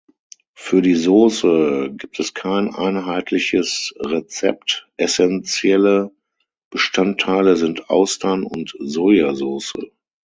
Für die Sauce gibt es kein einheitliches Rezept; essenzielle Bestandteile sind Austern- und Sojasauce.